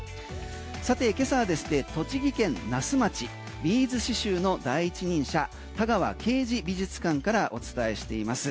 さて今朝は栃木県那須町ビーズ刺しゅうの第一人者田川啓二美術館からお伝えしています。